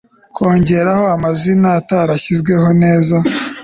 kongeraho amazina atarashyizweho neza